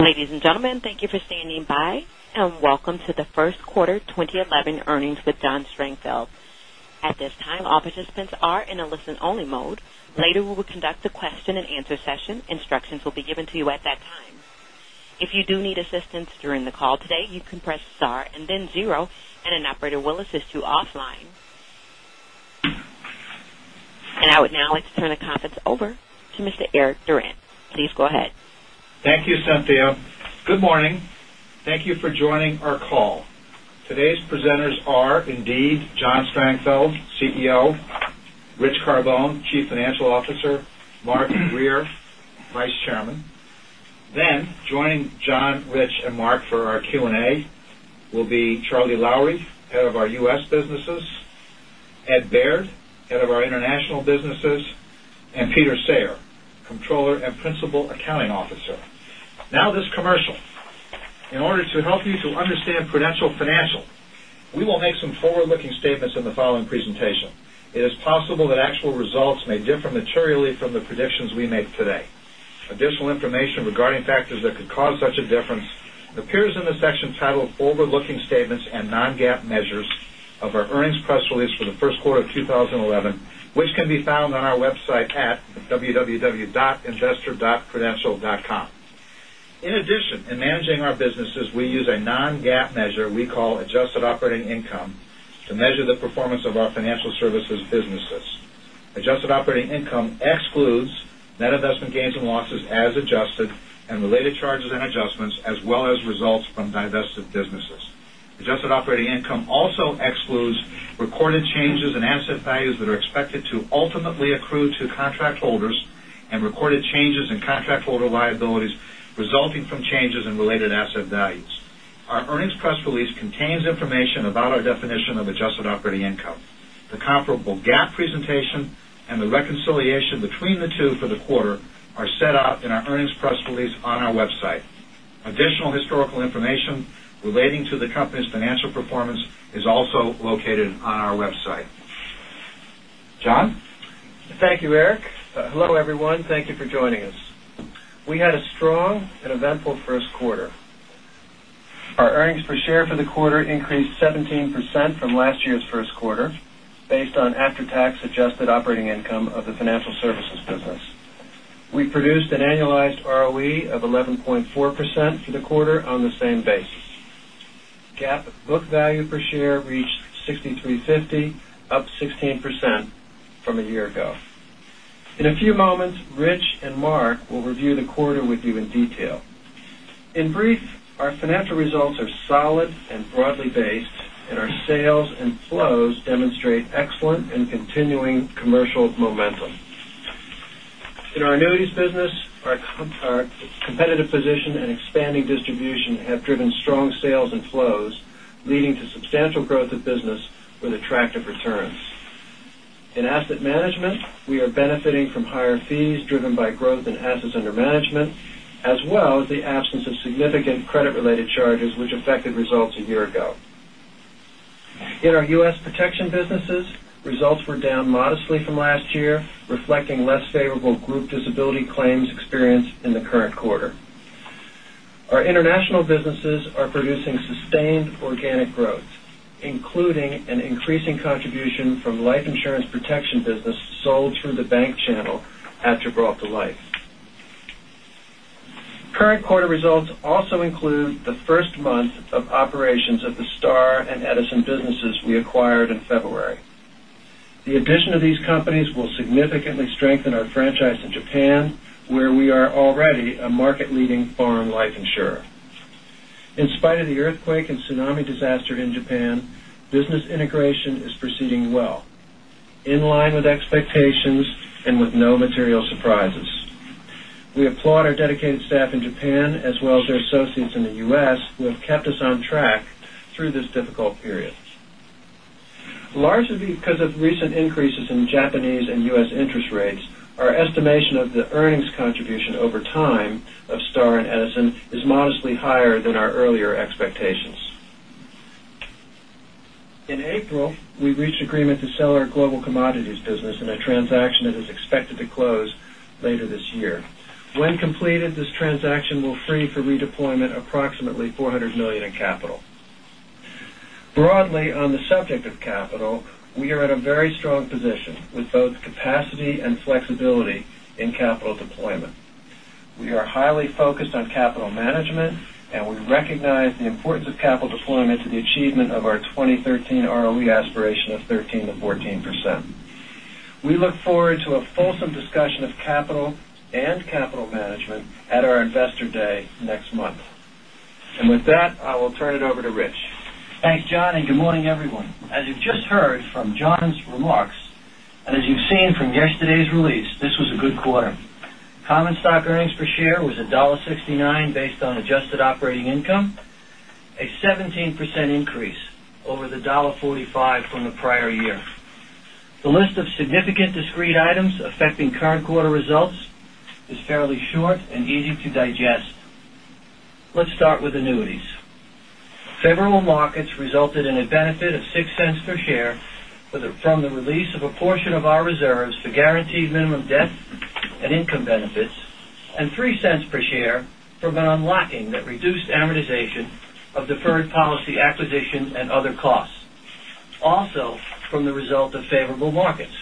Ladies and gentlemen, thank you for standing by. Welcome to the first quarter 2011 earnings with John Strangfeld. At this time, all participants are in a listen-only mode. Later, we will conduct a question-and-answer session. Instructions will be given to you at that time. If you do need assistance during the call today, you can press star and then zero, and an operator will assist you offline. I would now like to turn the conference over to Mr. Eric Durant. Please go ahead. Thank you, Cynthia. Good morning. Thank you for joining our call. Today's presenters are indeed John Strangfeld, CEO, Rich Carbone, Chief Financial Officer, Mark Grier, Vice Chairman. Joining John, Rich, and Mark for our Q&A will be Charlie Lowrey, head of our U.S. businesses, Ed Baird, head of our international businesses, and Peter Sayre, Controller and Principal Accounting Officer. This commercial. In order to help you to understand Prudential Financial, we will make some forward-looking statements in the following presentation. It is possible that actual results may differ materially from the predictions we make today. Additional information regarding factors that could cause such a difference appears in the section titled "Forward-Looking Statements and Non-GAAP Measures" of our earnings press release for the first quarter of 2011, which can be found on our website at www.investor.prudential.com. In addition, in managing our businesses, we use a non-GAAP measure we call adjusted operating income to measure the performance of our financial services businesses. Adjusted operating income excludes net investment gains and losses as adjusted and related charges and adjustments as well as results from divested businesses. Adjusted operating income also excludes recorded changes in asset values that are expected to ultimately accrue to contract holders and recorded changes in contract holder liabilities resulting from changes in related asset values. Our earnings press release contains information about our definition of adjusted operating income. The comparable GAAP presentation and the reconciliation between the two for the quarter are set out in our earnings press release on our website. Additional historical information relating to the company's financial performance is also located on our website. John? Thank you, Eric. Hello, everyone. Thank you for joining us. We had a strong and eventful first quarter. Our earnings per share for the quarter increased 17% from last year's first quarter, based on after-tax adjusted operating income of the financial services business. We produced an annualized ROE of 11.4% for the quarter on the same basis. GAAP book value per share reached $63.50, up 16% from a year ago. In a few moments, Rich and Mark will review the quarter with you in detail. In brief, our financial results are solid and broadly based. Our sales and flows demonstrate excellent and continuing commercial momentum. In our annuities business, our competitive position and expanding distribution have driven strong sales and flows, leading to substantial growth of business with attractive returns. In asset management, we are benefiting from higher fees driven by growth in assets under management, as well as the absence of significant credit-related charges which affected results a year ago. In our U.S. protection businesses, results were down modestly from last year, reflecting less favorable group disability claims experienced in the current quarter. Our international businesses are producing sustained organic growth, including an increasing contribution from life insurance protection business sold through the bank channel after Gibraltar Life. Current quarter results also include the first month of operations of the Star and Edison businesses we acquired in February. The addition of these companies will significantly strengthen our franchise in Japan, where we are already a market-leading foreign life insurer. In spite of the earthquake and tsunami disaster in Japan, business integration is proceeding well, in line with expectations and with no material surprises. We applaud our dedicated staff in Japan as well as their associates in the U.S. who have kept us on track through this difficult period. Largely because of recent increases in Japanese and U.S. interest rates, our estimation of the earnings contribution over time of Star and Edison is modestly higher than our earlier expectations. In April, we reached agreement to sell our global commodities business in a transaction that is expected to close later this year. When completed, this transaction will free for redeployment approximately $400 million in capital. Broadly on the subject of capital, we are in a very strong position with both capacity and flexibility in capital deployment. We are highly focused on capital management, and we recognize the importance of capital deployment to the achievement of our 2013 ROE aspiration of 13%-14%. We look forward to a fulsome discussion of capital and capital management at our investor day next month. With that, I will turn it over to Rich. Thanks, John. Good morning, everyone. As you've just heard from John's remarks, as you've seen from yesterday's release, this was a good quarter. Common stock earnings per share was $1.69 based on adjusted operating income, a 17% increase over the $1.45 from the prior year. The list of significant discrete items affecting current quarter results is fairly short and easy to digest. Let's start with annuities. Favorable markets resulted in a benefit of $0.06 per share from the release of a portion of our reserves for guaranteed minimum death and income benefits, $0.03 per share from an unlocking that reduced amortization of deferred policy acquisition and other costs, also from the result of favorable markets.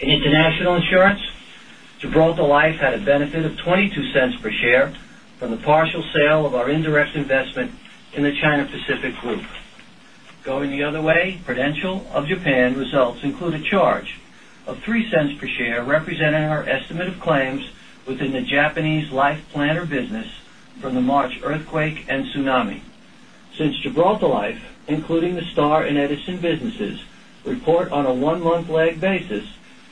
In international insurance, Gibraltar Life had a benefit of $0.22 per share from the partial sale of our indirect investment in the China Pacific Group. Going the other way, Prudential of Japan results include a charge of $0.03 per share, representing our estimate of claims within the Japanese life planner business from the March earthquake and tsunami. Since Gibraltar Life, including the Star and Edison businesses, report on a one-month lag basis,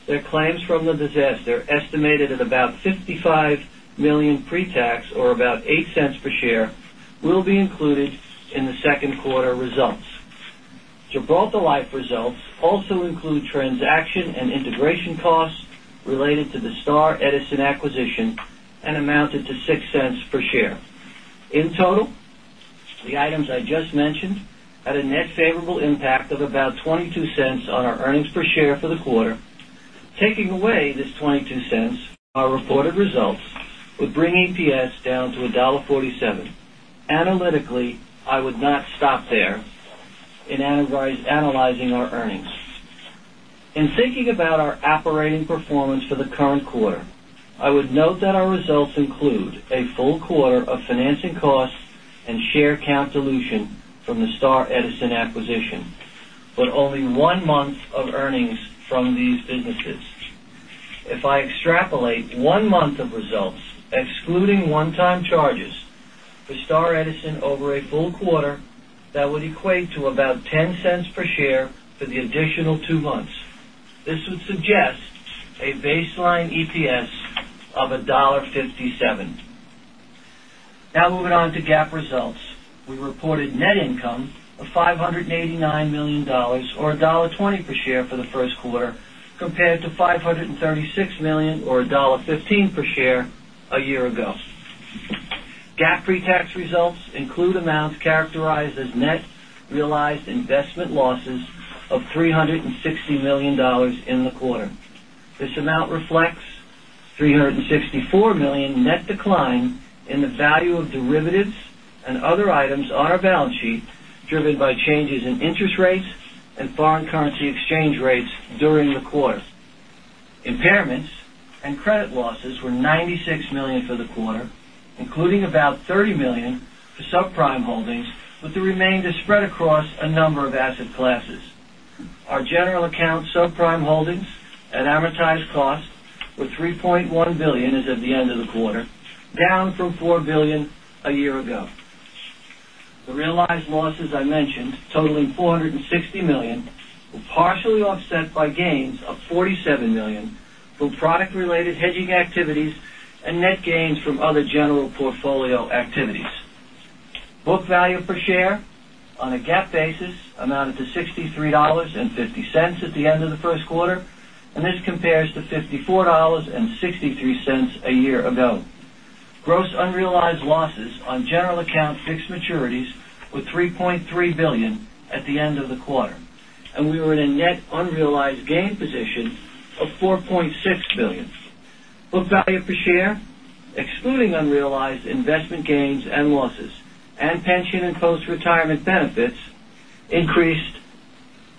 their claims from the disaster, estimated at about $55 million pre-tax or about $0.08 per share, will be included in the second quarter results. Gibraltar Life results also include transaction and integration costs related to the Star Edison acquisition and amounted to $0.06 per share. In total, the items I just mentioned had a net favorable impact of about $0.22 on our earnings per share for the quarter. Taking away this $0.22, our reported results would bring EPS down to $1.47. Analytically, I would not stop there in analyzing our earnings. In thinking about our operating performance for the current quarter, I would note that our results include a full quarter of financing costs and share count dilution from the Star Edison acquisition, but only one month of earnings from these businesses. If I extrapolate one month of results, excluding one-time charges, for Star Edison over a full quarter, that would equate to about $0.10 per share for the additional two months. This would suggest a baseline EPS of $1.57. Moving on to GAAP results. We reported net income of $589 million, or $1.20 per share for the first quarter, compared to $536 million, or $1.15 per share, a year ago. GAAP pre-tax results include amounts characterized as net realized investment losses of $360 million in the quarter. This amount reflects $364 million net decline in the value of derivatives and other items on our balance sheet, driven by changes in interest rates and foreign currency exchange rates during the quarter. Impairments and credit losses were $96 million for the quarter, including about $30 million for subprime holdings, with the remainder spread across a number of asset classes. Our general account subprime holdings at amortized cost were $3.1 billion as of the end of the quarter, down from $4 billion a year ago. The realized losses I mentioned totaling $460 million were partially offset by gains of $47 million from product-related hedging activities and net gains from other general portfolio activities. Book value per share on a GAAP basis amounted to $63.50 at the end of the first quarter, and this compares to $54.63 a year ago. Gross unrealized losses on general account fixed maturities were $3.3 billion at the end of the quarter, and we were in a net unrealized gain position of $4.6 billion. Book value per share, excluding unrealized investment gains and losses and pension and post-retirement benefits, increased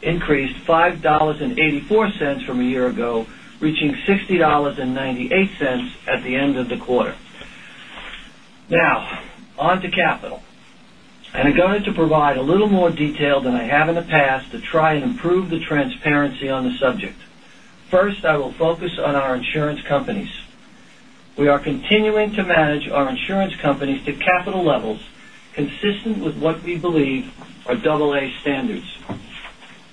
$5.84 from a year ago, reaching $60.98 at the end of the quarter. On to capital. I'm going to provide a little more detail than I have in the past to try and improve the transparency on the subject. First, I will focus on our insurance companies. We are continuing to manage our insurance companies to capital levels consistent with what we believe are AA standards.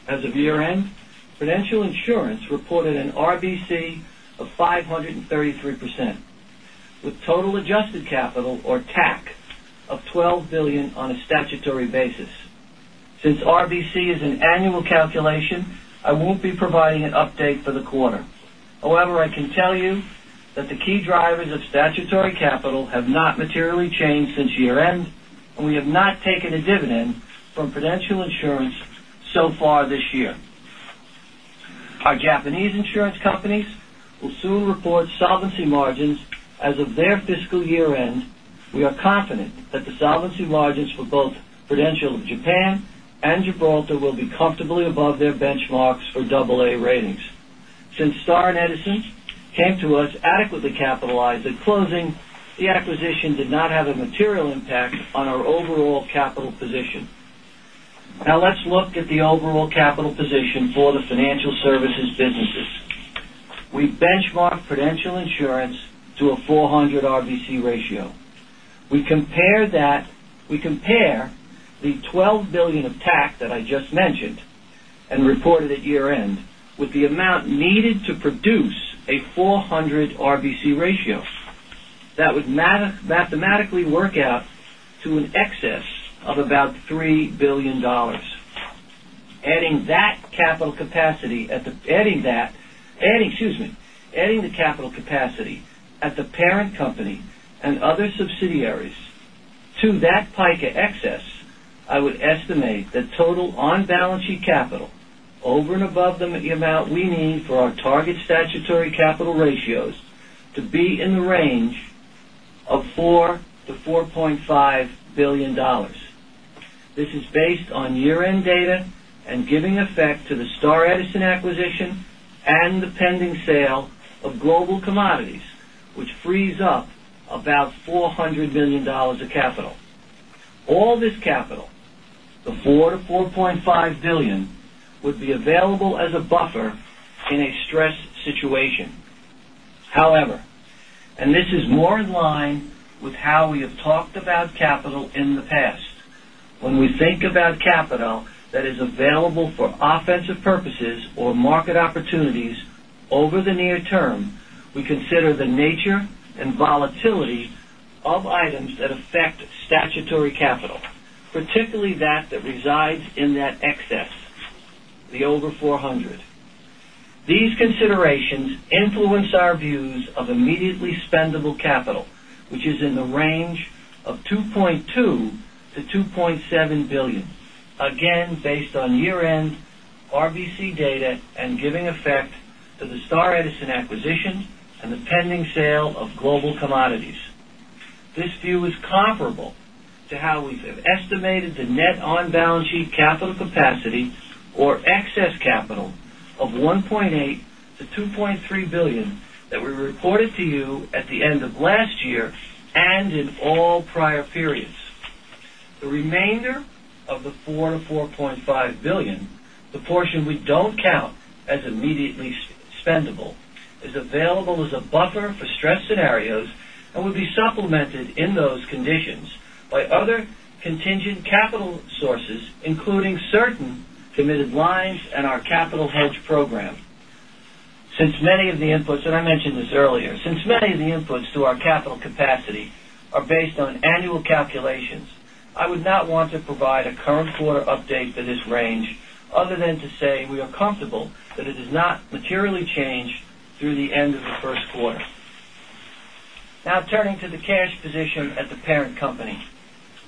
As of year-end, Prudential Insurance reported an RBC of 533%, with total adjusted capital, or TAC, of $12 billion on a statutory basis. Since RBC is an annual calculation, I won't be providing an update for the quarter. I can tell you that the key drivers of statutory capital have not materially changed since year-end, and we have not taken a dividend from Prudential Insurance so far this year. Our Japanese insurance companies will soon report solvency margins as of their fiscal year-end. We are confident that the solvency margins for both Prudential of Japan and Gibraltar will be comfortably above their benchmarks for AA ratings. Since Star and Edison came to us adequately capitalized at closing, the acquisition did not have a material impact on our overall capital position. Let's look at the overall capital position for the financial services businesses. We benchmark Prudential Insurance to a 400 RBC ratio. We compare the $12 billion of TAC that I just mentioned and reported at year-end with the amount needed to produce a 400 RBC ratio. That would mathematically work out to an excess of about $3 billion. Adding the capital capacity at the parent company and other subsidiaries to that PICA excess, I would estimate the total on-balance sheet capital over and above the amount we need for our target statutory capital ratios to be in the range of $4 billion-$4.5 billion. This is based on year-end data and giving effect to the Star Edison acquisition and the pending sale of Global Commodities, which frees up about $400 million of capital. All this capital, the $4 billion-$4.5 billion, would be available as a buffer in a stress situation. This is more in line with how we have talked about capital in the past, when we think about capital that is available for offensive purposes or market opportunities over the near term, we consider the nature and volatility of items that affect statutory capital, particularly that resides in that excess, the over 400. These considerations influence our views of immediately spendable capital, which is in the range of $2.2 billion-$2.7 billion, again, based on year-end RBC data and giving effect to the Star Edison acquisition and the pending sale of Global Commodities. This view is comparable to how we've estimated the net on-balance sheet capital capacity or excess capital of $1.8 billion-$2.3 billion that we reported to you at the end of last year and in all prior periods. The remainder of the $4 billion-$4.5 billion, the portion we don't count as immediately spendable, is available as a buffer for stress scenarios and would be supplemented in those conditions by other contingent capital sources, including certain committed lines and our capital hedge program. Since many of the inputs to our capital capacity are based on annual calculations, I would not want to provide a current quarter update for this range other than to say we are comfortable that it has not materially changed through the end of the first quarter. Turning to the cash position at the parent company.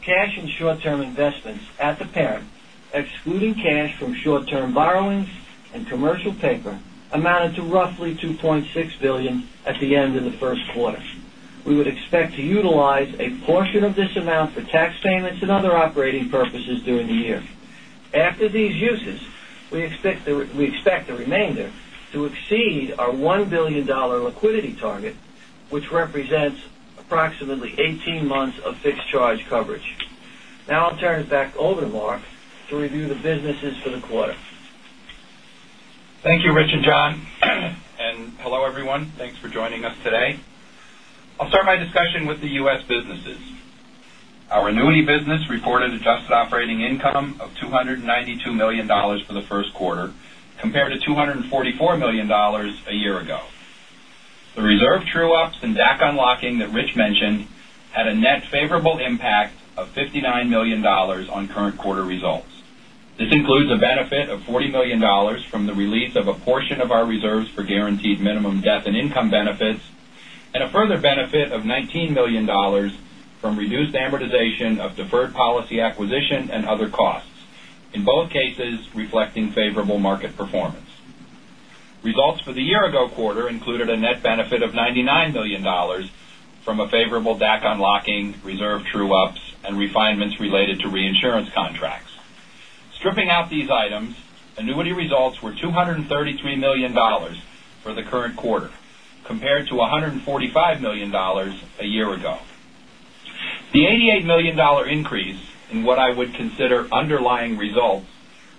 Cash and short-term investments at the parent, excluding cash from short-term borrowings and commercial paper, amounted to roughly $2.6 billion at the end of the first quarter. I'll turn it back over to Mark to review the businesses for the quarter. We would expect to utilize a portion of this amount for tax payments and other operating purposes during the year. After these uses, we expect the remainder to exceed our $1 billion liquidity target, which represents approximately 18 months of fixed charge coverage. Thank you, Rich and John, and hello, everyone. Thanks for joining us today. I'll start my discussion with the U.S. businesses. Our annuity business reported adjusted operating income of $292 million for the first quarter, compared to $244 million a year ago. The reserve true-ups and DAC unlocking that Rich mentioned had a net favorable impact of $59 million on current quarter results. This includes a benefit of $40 million from the release of a portion of our reserves for guaranteed minimum death and income benefits, and a further benefit of $19 million from reduced amortization of deferred policy acquisition and other costs. In both cases, reflecting favorable market performance. Results for the year-ago quarter included a net benefit of $99 million from a favorable DAC unlocking reserve true-ups and refinements related to reinsurance contracts. Stripping out these items, annuity results were $233 million for the current quarter, compared to $145 million a year ago. The $88 million increase in what I would consider underlying results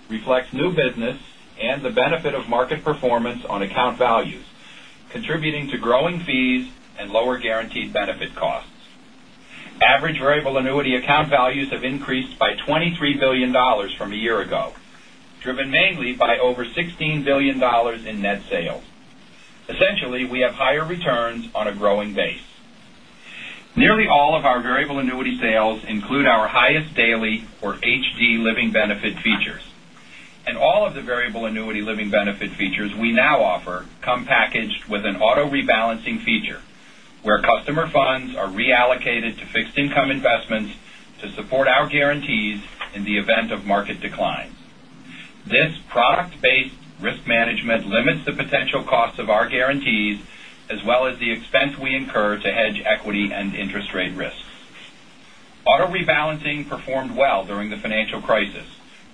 reflects new business and the benefit of market performance on account values, contributing to growing fees and lower guaranteed benefit costs. Average variable annuity account values have increased by $23 billion from a year ago, driven mainly by over $16 billion in net sales. Essentially, we have higher returns on a growing base. Nearly all of our variable annuity sales include our Highest Daily or HD living benefit features. All of the variable annuity living benefit features we now offer come packaged with an auto-rebalancing feature, where customer funds are reallocated to fixed income investments to support our guarantees in the event of market declines. This product-based risk management limits the potential costs of our guarantees, as well as the expense we incur to hedge equity and interest rate risks. Auto-rebalancing performed well during the financial crisis,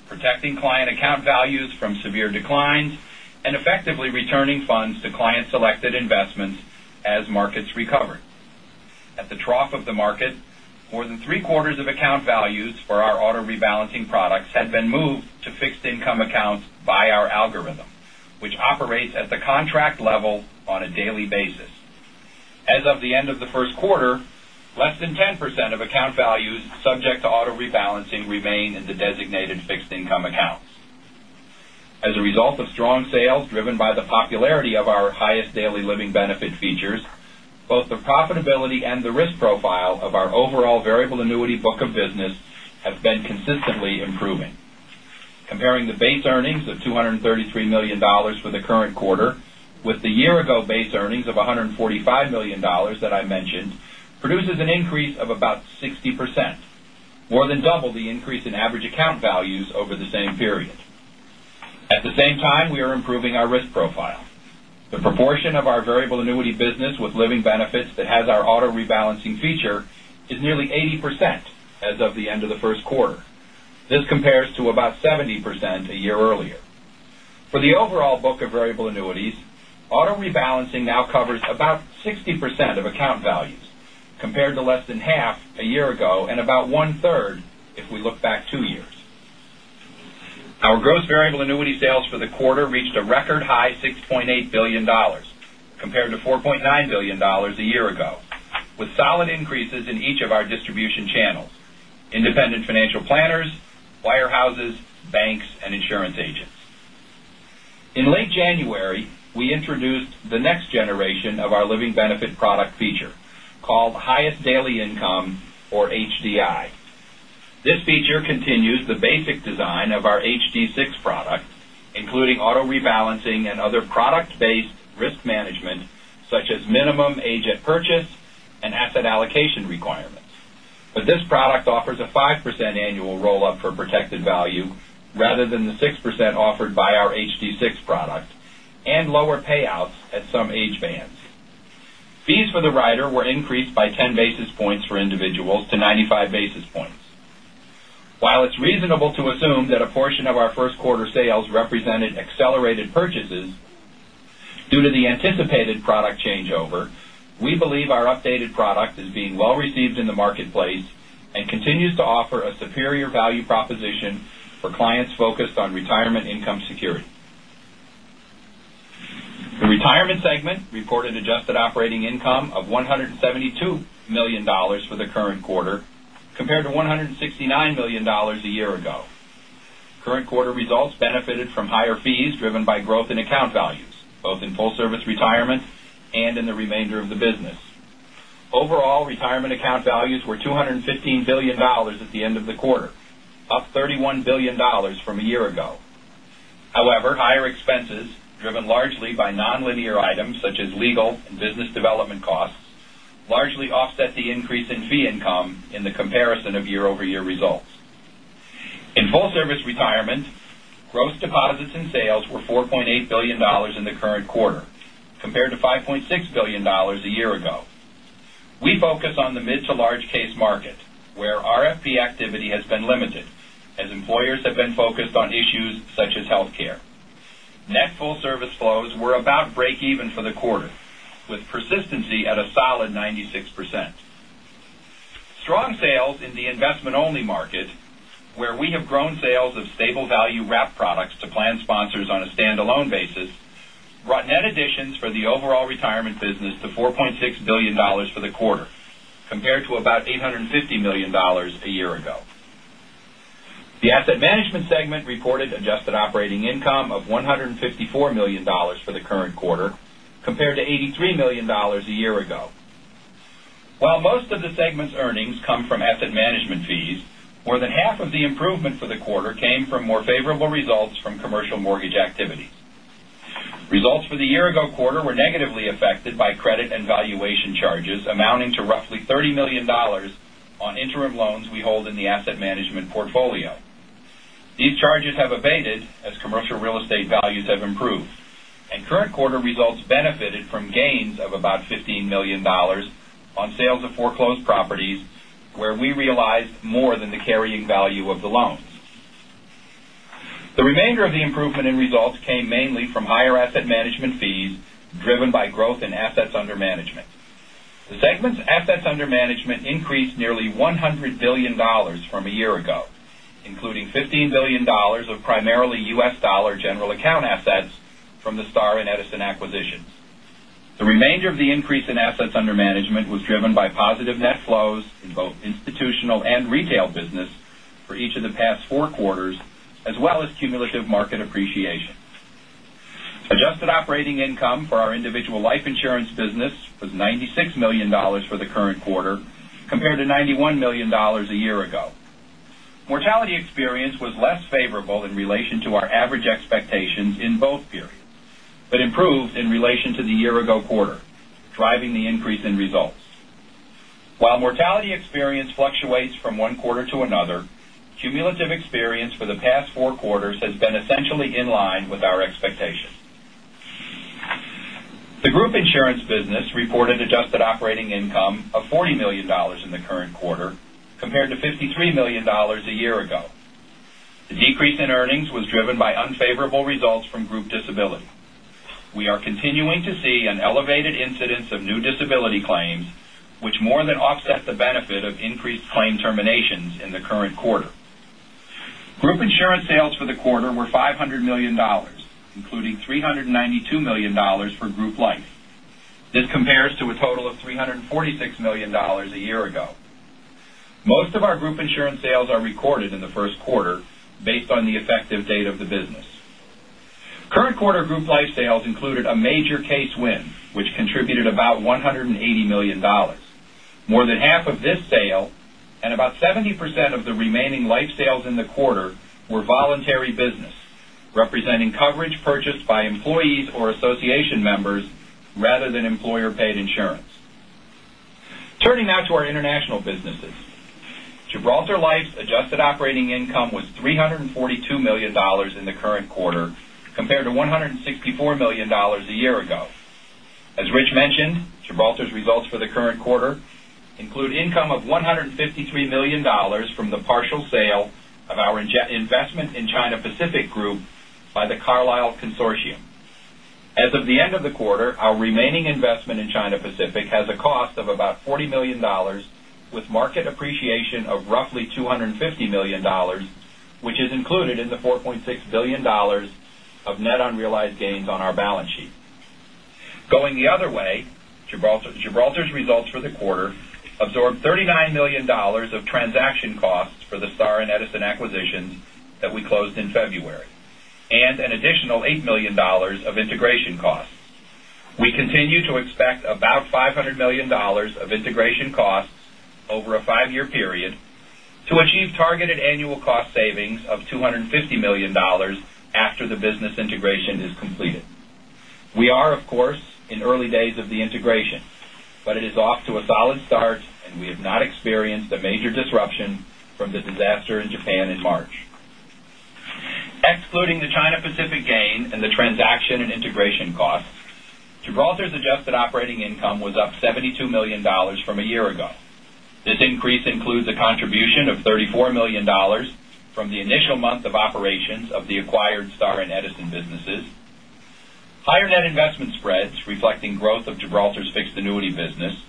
protecting client account values from severe declines and effectively returning funds to client-selected investments as markets recovered. At the trough of the market, more than three-quarters of account values for our auto-rebalancing products had been moved to fixed income accounts by our algorithm, which operates at the contract level on a daily basis. As of the end of the first quarter, less than 10% of account values subject to auto-rebalancing remain in the designated fixed income accounts. As a result of strong sales driven by the popularity of our Highest Daily living benefit features, both the profitability and the risk profile of our overall variable annuity book of business have been consistently improving. Comparing the base earnings of $233 million for the current quarter with the year-ago base earnings of $145 million that I mentioned, produces an increase of about 60%, more than double the increase in average account values over the same period. At the same time, we are improving our risk profile. The proportion of our variable annuity business with living benefits that has our auto-rebalancing feature is nearly 80% as of the end of the first quarter. This compares to about 70% a year earlier. For the overall book of variable annuities, auto-rebalancing now covers about 60% of account values, compared to less than half a year ago and about one-third if we look back two years. Our gross variable annuity sales for the quarter reached a record high $6.8 billion, compared to $4.9 billion a year ago, with solid increases in each of our distribution channels: independent financial planners, wirehouses, banks, and insurance agents. In late January, we introduced the next generation of our living benefit product feature, called Highest Daily Income, or HDI. This feature continues the basic design of our HD6 product, including auto-rebalancing and other product-based risk management, such as minimum age at purchase and asset allocation requirements. This product offers a 5% annual roll-up for protected value rather than the 6% offered by our HD6 product and lower payouts at some age bands. Fees for the rider were increased by 10 basis points for individuals to 95 basis points. While it's reasonable to assume that a portion of our first quarter sales represented accelerated purchases due to the anticipated product changeover, we believe our updated product is being well received in the marketplace and continues to offer a superior value proposition for clients focused on retirement income security. The retirement segment reported adjusted operating income of $172 million for the current quarter, compared to $169 million a year ago. Current quarter results benefited from higher fees driven by growth in account values, both in Full Service Retirement and in the remainder of the business. Overall, retirement account values were $215 billion at the end of the quarter, up $31 billion from a year ago. However, higher expenses, driven largely by nonlinear items such as legal and business development costs, largely offset the increase in fee income in the comparison of year-over-year results. In Full Service Retirement, gross deposits and sales were $4.8 billion in the current quarter compared to $5.6 billion a year ago. We focus on the mid to large case market, where RFP activity has been limited as employers have been focused on issues such as healthcare. Net Full Service flows were about break even for the quarter, with persistency at a solid 96%. Strong sales in the investment-only market, where we have grown sales of stable value wrap products to plan sponsors on a standalone basis, brought net additions for the overall retirement business to $4.6 billion for the quarter, compared to about $850 million a year ago. The Asset Management segment reported adjusted operating income of $154 million for the current quarter, compared to $83 million a year ago. While most of the segment's earnings come from asset management fees, more than half of the improvement for the quarter came from more favorable results from commercial mortgage activity. Results for the year-ago quarter were negatively affected by credit and valuation charges amounting to roughly $30 million on interim loans we hold in the asset management portfolio. These charges have abated as commercial real estate values have improved, and current quarter results benefited from gains of about $15 million on sales of foreclosed properties where we realized more than the carrying value of the loans. The remainder of the improvement in results came mainly from higher asset management fees driven by growth in assets under management. The segment's assets under management increased nearly $100 billion from a year ago, including $15 billion of primarily U.S. dollar general account assets from the Star and Edison acquisitions. The remainder of the increase in assets under management was driven by positive net flows in both institutional and retail business for each of the past four quarters, as well as cumulative market appreciation. adjusted operating income for our individual life insurance business was $96 million for the current quarter, compared to $91 million a year ago. Mortality experience was less favorable in relation to our average expectations in both periods, but improved in relation to the year-ago quarter, driving the increase in results. While mortality experience fluctuates from one quarter to another, cumulative experience for the past four quarters has been essentially in line with our expectations. The group insurance business reported adjusted operating income of $40 million in the current quarter, compared to $53 million a year ago. The decrease in earnings was driven by unfavorable results from group disability. We are continuing to see an elevated incidence of new disability claims, which more than offset the benefit of increased claim terminations in the current quarter. Group insurance sales for the quarter were $500 million, including $392 million for group life. This compares to a total of $346 million a year ago. Most of our group insurance sales are recorded in the first quarter based on the effective date of the business. Current quarter group life sales included a major case win, which contributed about $180 million. More than half of this sale and about 70% of the remaining life sales in the quarter were voluntary business, representing coverage purchased by employees or association members rather than employer-paid insurance. Turning now to our international businesses. Gibraltar Life's adjusted operating income was $342 million in the current quarter compared to $164 million a year ago. As Rich mentioned, Gibraltar's results for the current quarter include income of $153 million from the partial sale of our investment in China Pacific Group by the Carlyle consortium. As of the end of the quarter, our remaining investment in China Pacific has a cost of about $40 million, with market appreciation of roughly $250 million, which is included in the $4.6 billion of net unrealized gains on our balance sheet. Going the other way, Gibraltar's results for the quarter absorbed $39 million of transaction costs for the Star and Edison acquisitions that we closed in February, and an additional $8 million of integration costs. We continue to expect about $500 million of integration costs over a five-year period to achieve targeted annual cost savings of $250 million after the business integration is completed. We are, of course, in early days of the integration, but it is off to a solid start, and we have not experienced a major disruption from the disaster in Japan in March. Excluding the China Pacific gain and the transaction and integration costs, Gibraltar's adjusted operating income was up $72 million from a year ago. This increase includes a contribution of $34 million from the initial month of operations of the acquired Star and Edison businesses, higher net investment spreads reflecting growth of Gibraltar's fixed annuity business,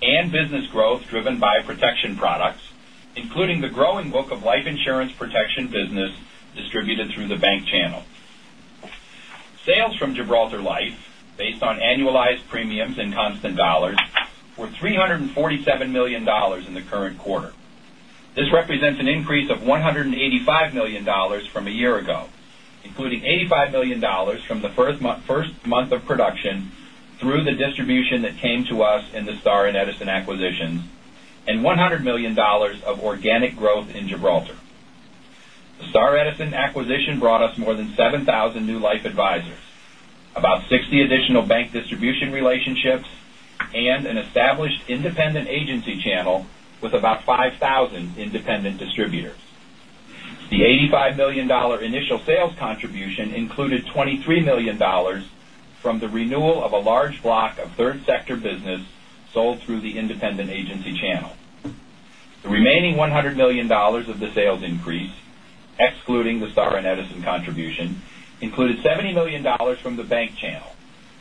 and business growth driven by protection products, including the growing book of life insurance protection business distributed through the bank channel. Sales from Gibraltar Life, based on annualized premiums in constant dollars, were $347 million in the current quarter. This represents an increase of $185 million from a year ago, including $85 million from the first month of production through the distribution that came to us in the Star and Edison acquisitions, and $100 million of organic growth in Gibraltar. The Star Edison acquisition brought us more than 7,000 new life advisors, about 60 additional bank distribution relationships, and an established independent agency channel with about 5,000 independent distributors. The $85 million initial sales contribution included $23 million from the renewal of a large block of third sector business sold through the independent agency channel. The remaining $100 million of the sales increase, excluding the Star and Edison contribution, included $70 million from the bank channel,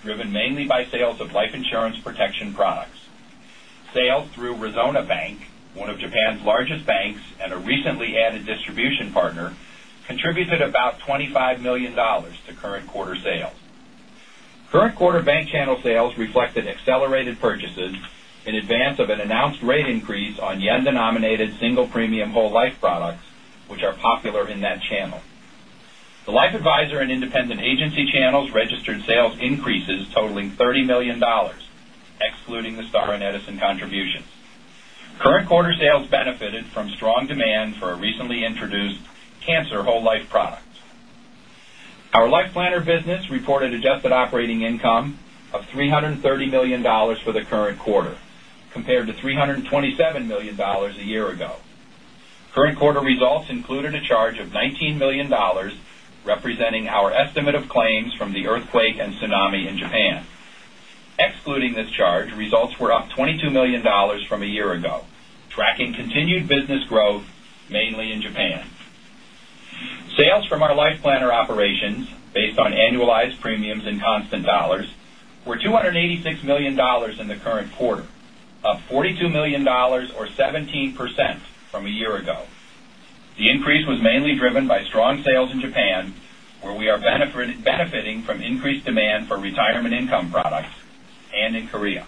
driven mainly by sales of life insurance protection products. Sales through Resona Bank, one of Japan's largest banks and a recently added distribution partner, contributed about $25 million to current quarter sales. Current quarter bank channel sales reflected accelerated purchases in advance of an announced rate increase on yen-denominated single premium whole life products, which are popular in that channel. The life advisor and independent agency channels registered sales increases totaling $30 million, excluding the Star and Edison contributions. Current quarter sales benefited from strong demand for a recently introduced cancer whole life product. Our Life Planner business reported adjusted operating income of $330 million for the current quarter, compared to $327 million a year ago. Current quarter results included a charge of $19 million, representing our estimate of claims from the earthquake and tsunami in Japan. Excluding this charge, results were up $22 million from a year ago, tracking continued business growth, mainly in Japan. Sales from our Life Planner operations, based on annualized premiums in constant dollars, were $286 million in the current quarter, up $42 million or 17% from a year ago. The increase was mainly driven by strong sales in Japan, where we are benefiting from increased demand for retirement income products, and in Korea.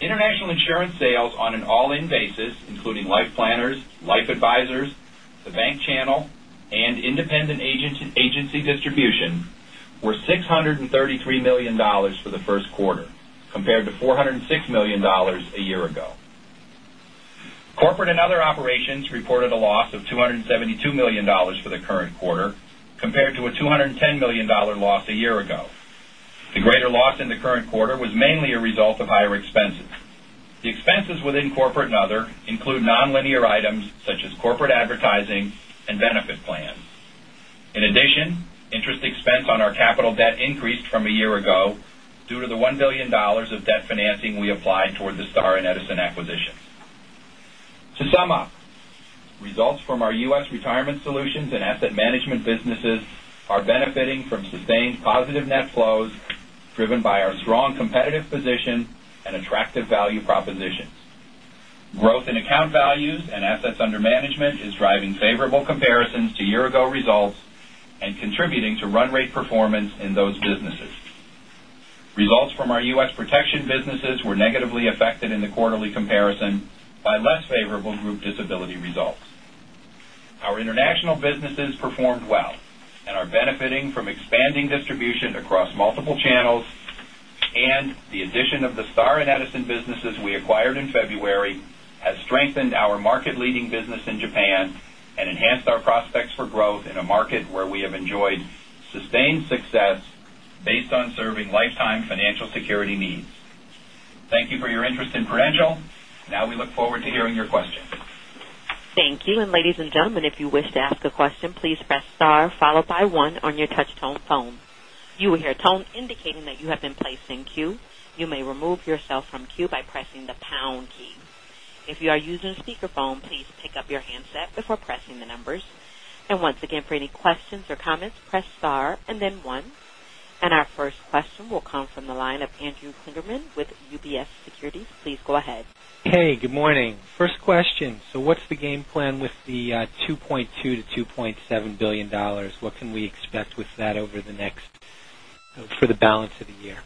International insurance sales on an all-in basis, including Life Planners, Life Advisors, the bank channel, and independent agency distribution, were $633 million for the first quarter, compared to $406 million a year ago. Corporate and other operations reported a loss of $272 million for the current quarter, compared to a $210 million loss a year ago. The greater loss in the current quarter was mainly a result of higher expenses. The expenses within corporate and other include nonlinear items such as corporate advertising and benefit plans. In addition, interest expense on our capital debt increased from a year ago due to the $1 billion of debt financing we applied towards the Star and Edison acquisitions. To sum up, results from our U.S. retirement solutions and asset management businesses are benefiting from sustained positive net flows driven by our strong competitive position and attractive value propositions. Growth in account values and assets under management is driving favorable comparisons to year-ago results and contributing to run rate performance in those businesses. Results from our U.S. protection businesses were negatively affected in the quarterly comparison by less favorable group disability results. Our international businesses performed well and are benefiting from expanding distribution across multiple channels. The addition of the Star and Edison businesses we acquired in February has strengthened our market-leading business in Japan and enhanced our prospects for growth in a market where we have enjoyed sustained success based on serving lifetime financial security needs. Thank you for your interest in Prudential. Now we look forward to hearing your questions. Thank you. Ladies and gentlemen, if you wish to ask a question, please press star followed by one on your touch-tone phone. You will hear a tone indicating that you have been placed in queue. You may remove yourself from queue by pressing the pound key. If you are using a speakerphone, please pick up your handset before pressing the numbers. Once again, for any questions or comments, press star and then one. Our first question will come from the line of Andrew Kligerman with UBS Securities. Please go ahead. Hey, good morning. First question. What's the game plan with the $2.2 billion-$2.7 billion? What can we expect with that over for the balance of the year?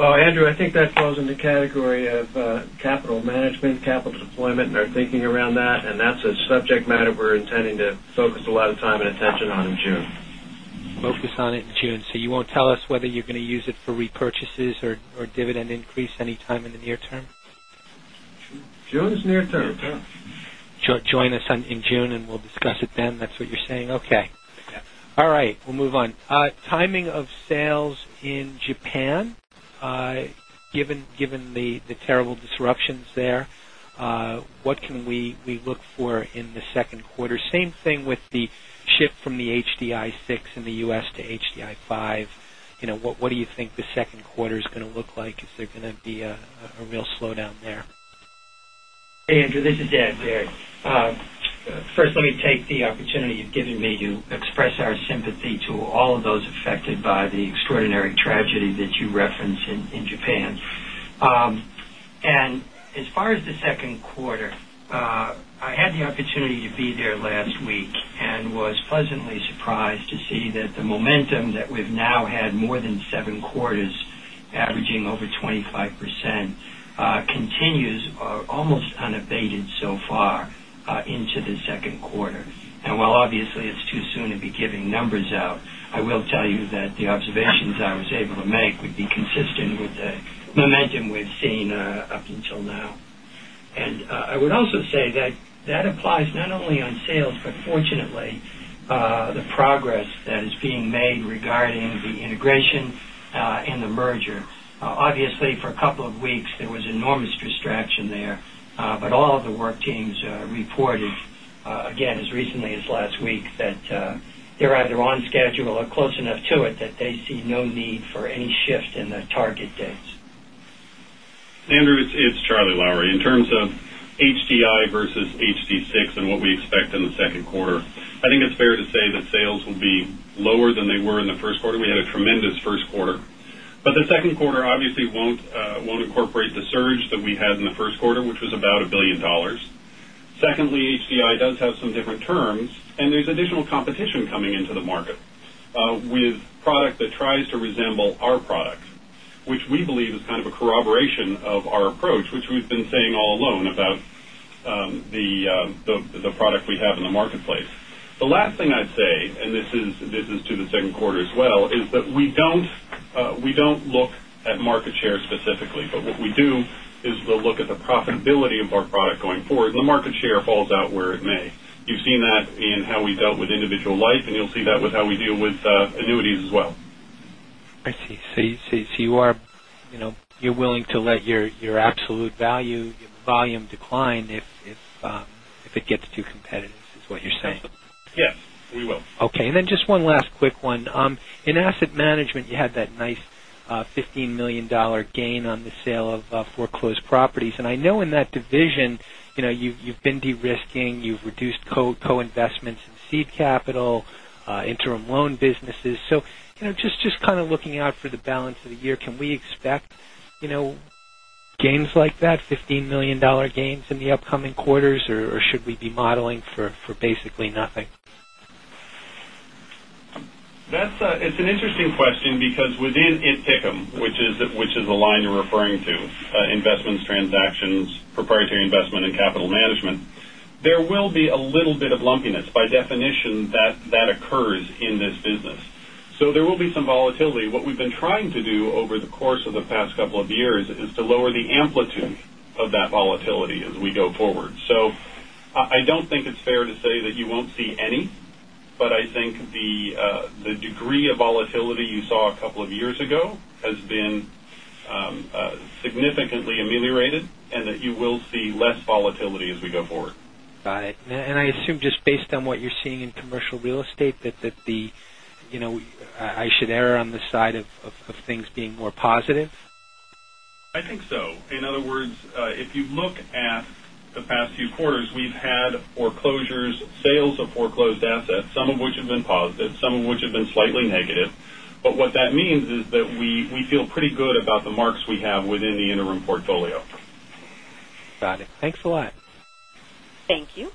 Well, Andrew, I think that falls into category of capital management, capital deployment, and our thinking around that, and that's a subject matter we're intending to focus a lot of time and attention on in June. Focus on it in June. You won't tell us whether you're going to use it for repurchases or dividend increase anytime in the near term? June is near term. Join us in June, and we'll discuss it then. That's what you're saying? Okay. Yeah. All right, we'll move on. Timing of sales in Japan, given the terrible disruptions there, what can we look for in the second quarter? Same thing with the shift from the HDI 6 in the U.S. to HDI 5. What do you think the second quarter is going to look like? Is there going to be a real slowdown there? Hey, Andrew. This is Dan Garrett. First, let me take the opportunity you've given me to express our sympathy to all of those affected by the extraordinary tragedy that you referenced in Japan. As far as the second quarter, I had the opportunity to be there last week and was pleasantly surprised to see that the momentum that we've now had more than seven quarters, averaging over 25%, continues almost unabated so far into the second quarter. While obviously it's too soon to be giving numbers out, I will tell you that the observations I was able to make would be consistent with the momentum we've seen up until now. I would also say that applies not only on sales, but fortunately, the progress that is being made regarding the integration and the merger. Obviously, for a couple of weeks, there was enormous distraction there. All of the work teams reported again as recently as last week that they're either on schedule or close enough to it that they see no need for any shift in the target dates. Andrew, it's Charlie Lowrey. In terms of HDI versus HD 6 and what we expect in the second quarter, I think it's fair to say that sales will be lower than they were in the first quarter. We had a tremendous first quarter. The second quarter obviously won't incorporate the surge that we had in the first quarter, which was about $1 billion. Secondly, HDI does have some different terms, and there's additional competition coming into the market with product that tries to resemble our product. Which we believe is kind of a corroboration of our approach, which we've been saying all along about the product we have in the marketplace. The last thing I'd say, and this is to the second quarter as well, is that we don't look at market share specifically. What we do is we'll look at the profitability of our product going forward. The market share falls out where it may. You've seen that in how we dealt with individual life, and you'll see that with how we deal with annuities as well. I see. You're willing to let your absolute value, your volume decline if it gets too competitive, is what you're saying? Yes, we will. Then just one last quick one. In asset management, you had that nice $15 million gain on the sale of foreclosed properties. I know in that division you've been de-risking, you've reduced co-investments in seed capital, interim loan businesses. Just kind of looking out for the balance of the year, can we expect gains like that, $15 million gains in the upcoming quarters, or should we be modeling for basically nothing? It's an interesting question because within ITPICM, which is the line you're referring to, Investments, Transactions, Proprietary Investment, and Capital Management, there will be a little bit of lumpiness. By definition that occurs in this business. There will be some volatility. What we've been trying to do over the course of the past couple of years is to lower the amplitude of that volatility as we go forward. I don't think it's fair to say that you won't see any, but I think the degree of volatility you saw a couple of years ago has been significantly ameliorated and that you will see less volatility as we go forward. Got it. I assume just based on what you're seeing in commercial real estate, that I should err on the side of things being more positive? I think so. In other words, if you look at the past few quarters, we've had foreclosures, sales of foreclosed assets, some of which have been positive, some of which have been slightly negative. What that means is that we feel pretty good about the marks we have within the interim portfolio. Got it. Thanks a lot. Thank you.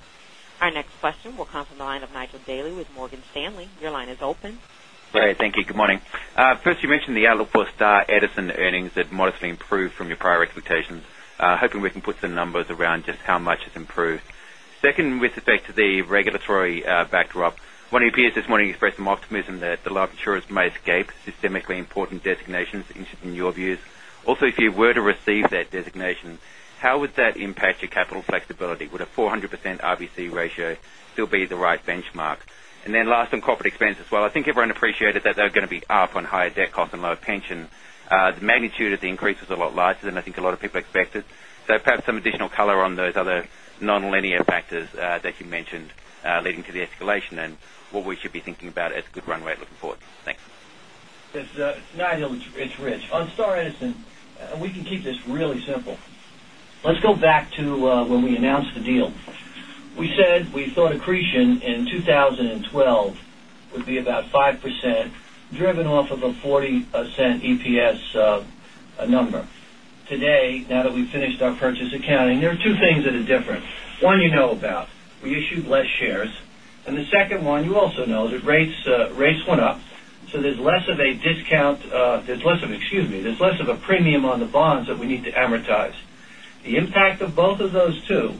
Our next question will come from the line of Nigel Dally with Morgan Stanley. Your line is open. Great. Thank you. Good morning. First, you mentioned the outlook for Star Edison earnings had modestly improved from your prior expectations. Hoping we can put some numbers around just how much it's improved. Second, with respect to the regulatory backdrop, what appears this morning expressed some optimism that a lot of insurers may escape systemically important designations in your views. Also, if you were to receive that designation, how would that impact your capital flexibility? Would a 400% RBC ratio still be the right benchmark? Last, on corporate expenses. While I think everyone appreciated that they were going to be up on higher debt cost and lower pension, the magnitude of the increase was a lot larger than I think a lot of people expected. Perhaps some additional color on those other non-linear factors that you mentioned, leading to the escalation, and what we should be thinking about as good runway looking forward. Thanks. Nigel, it's Rich. On Star Edison, we can keep this really simple. Let's go back to when we announced the deal. We said we thought accretion in 2012 would be about 5%, driven off of a $0.40 EPS number. Today, now that we've finished our purchase accounting, there are two things that are different. One you know about. We issued less shares. The second one, you also know, that rates went up. There's less of a premium on the bonds that we need to amortize. The impact of both of those two